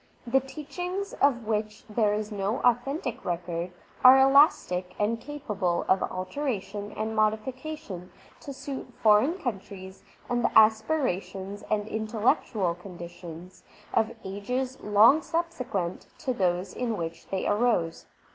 The teach ings of which there is no authentic record, are elastic and capable of alteration and modification to suit foreign countries and the aspirations and intellectual conditions of ages long subsequent to those in which they arose.